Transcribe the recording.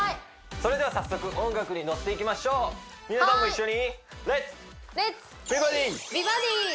それでは早速音楽にのせていきましょう皆さんも一緒に！